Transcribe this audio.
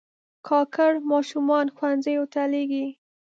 کاکړ ماشومان ښوونځیو ته لېږي.